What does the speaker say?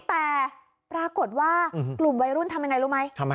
แต่ปรากฏว่ากลุ่มวัยรุ่นทำยังไงรู้ไหม